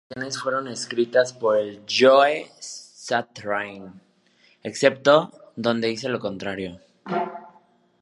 Todas las canciones fueron escritas por Joe Satriani, excepto donde dice lo contrario.